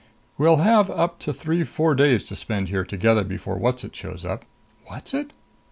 "We'll have up to three four days to spend here together before Whatzzit shows up." "Whatzzit?"